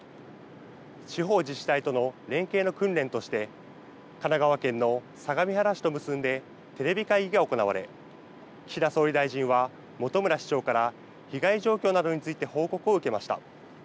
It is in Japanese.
地方自治体との連携の訓練として神奈川県の相模原市と結んでテレビ会議が行われ、岸田総理大臣は本村市長から被害状況などについて報告を受けました。